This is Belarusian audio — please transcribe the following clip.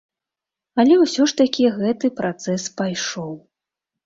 Але ўсё ж такі гэты працэс пайшоў.